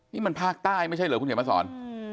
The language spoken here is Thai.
นี่มันภาคใต้ไม่ใช่เหรอคุณเขียนมาสอน